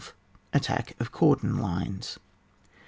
ATTACK OF CORDON LINES.